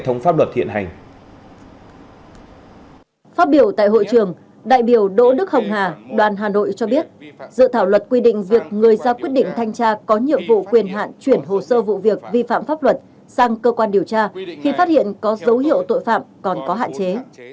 nơi ra quyết định thanh tra có nhiệm vụ quyền hạn chuyển hồ sơ vụ việc vi phạm pháp luật sang cơ quan điều tra khi phát hiện có dấu hiệu tội phạm còn có hạn chế